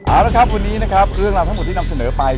เอาละครับวันนี้นะครับเรื่องราวทั้งหมดที่นำเสนอไป